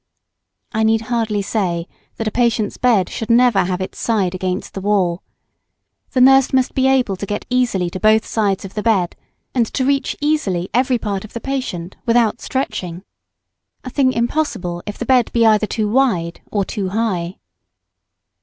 I need hardly say that a patient's bed should never have its side against the wall. The nurse must be able to get easily to both sides of the bed, and to reach easily every part of the patient without stretching a thing impossible if the bed be either too wide or too high. [Sidenote: Bed not to be too high.